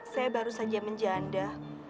saya baru saja menjanda